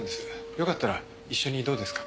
よかったら一緒にどうですか？